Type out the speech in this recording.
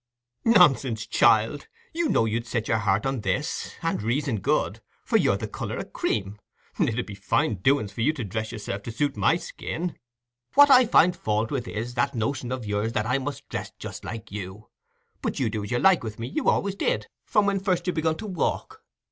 "Nonsense, child! you know you'd set your heart on this; and reason good, for you're the colour o' cream. It 'ud be fine doings for you to dress yourself to suit my skin. What I find fault with, is that notion o' yours as I must dress myself just like you. But you do as you like with me—you always did, from when first you begun to walk.